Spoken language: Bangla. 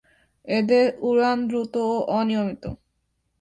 এদের উড়ান দ্রুত ও অনিয়মিত।